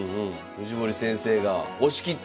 藤森先生が押し切った！